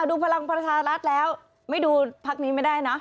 ดูพลังประชารัฐแล้วไม่ดูพักนี้ไม่ได้นะ